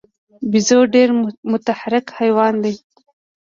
بیزو ډېر متحرک حیوان دی.